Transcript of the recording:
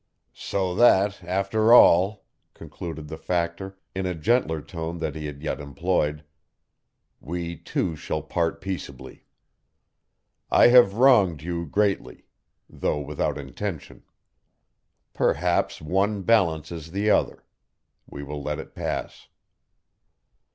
"So that, after all," concluded the Factor, in a gentler tone than he had yet employed, "we two shall part peaceably. I have wronged you greatly, though without intention. Perhaps one balances the other. We will let it pass."